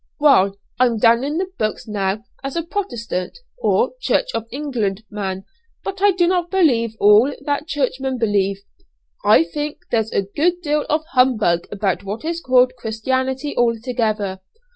"Well, I'm down in the books now as a Protestant, or Church of England man; but I do not believe all that churchmen believe. I think there's a good deal of humbug about what is called Christianity altogether.